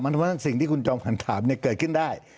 มันเพราะว่าสิ่งที่คุณจอมคันถามเกิดขึ้นได้